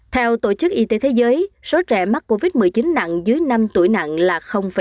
theo tổ chức y tế thế giới số trẻ mắc covid một mươi chín nặng dưới năm tuổi nặng là